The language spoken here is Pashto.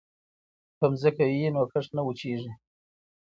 که ځمکه وي نو کښت نه وچيږي.